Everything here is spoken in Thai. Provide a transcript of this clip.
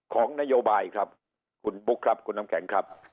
ของนโยบายครับคุณบุ๊คครับคุณน้ำแข็งครับ